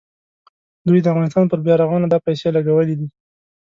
دوی د افغانستان پر بیارغونه دا پیسې لګولې دي.